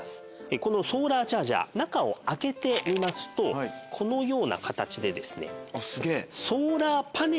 このソーラーチャージャー中を開けてみますとこのような形で。